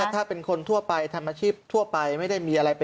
ถ้าเป็นชื่อคนทั่วไปทำังชีพ